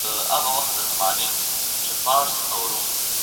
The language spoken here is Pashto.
حقوقي خوندیتوب پانګوال هڅوي.